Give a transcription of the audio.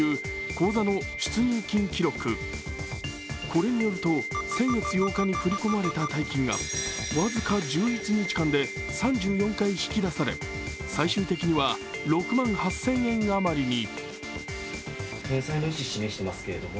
これによると先月８日に振り込まれた大金が僅か１１日間で３４回引き出され最終的には６万８０００円余りに。